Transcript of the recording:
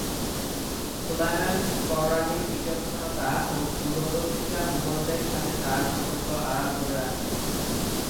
সুলায়মান কররানীর বিচক্ষণতা ও দূরদর্শিতা মুগলদের সাথে তাঁর সম্পর্ক আড়াল করে রাখে।